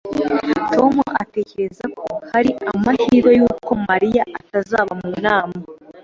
Tom atekereza ko hari amahirwe yuko Mariya atazaba mu nama